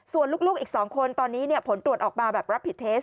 ส่วนลูกอีก๒คนตอนนี้ผลตรวจออกมาแบบรับผิดเทส